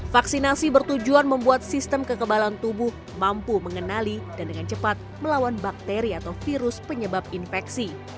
vaksinasi bertujuan membuat sistem kekebalan tubuh mampu mengenali dan dengan cepat melawan bakteri atau virus penyebab infeksi